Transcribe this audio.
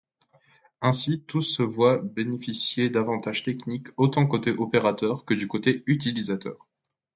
Ainsi tous se voient bénéficier d'avantages techniques autant côté opérateurs que du côté utilisateurs.